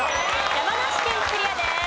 山梨県クリアです。